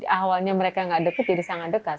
untuk awalnya mereka nggak dekat jadi sangat dekat